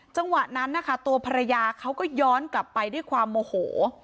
จังหวะนั้นนะคะตัวภรรยาเขาก็ย้อนกลับไปด้วยความโมโห